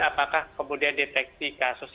apakah kemudian deteksi kasus